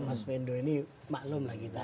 mas wendo ini maklum lah kita